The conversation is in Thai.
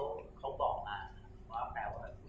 แล้อก็เป็นความหมาย